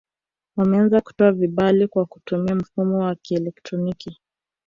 Wameanza kutoa vibali kwa kutumia mfumo wa kielektroniki